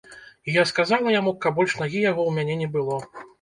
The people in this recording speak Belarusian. І я сказала яму, каб больш нагі яго ў мяне не было.